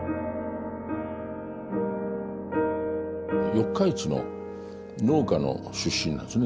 四日市の農家の出身なんですね